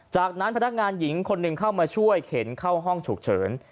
จากนั้นพนักงานหญิงคนหนึ่งเข้ามาช่วยเข็นเข้าห้องฉุกเฉิน